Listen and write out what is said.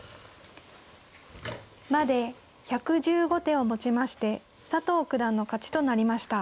まで１１５手をもちまして佐藤九段の勝ちとなりました。